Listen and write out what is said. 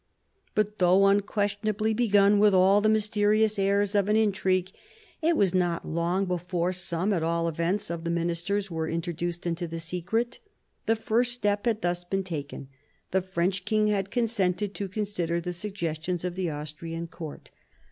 But though un questionably begun with all the mysterious airs of an intrigue, it was not long before some at all events of the ministers were introduced into the secret. The first step had thus been taken; the French king had consented to consider the suggestions of the Austrian court.